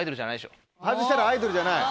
外したらアイドルじゃない？